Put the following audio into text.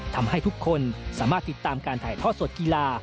ทำให้ทุกคนสามารถติดตามการถ่ายทอดสดกีฬา